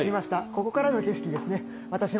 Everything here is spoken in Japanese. ここからの景色ですね。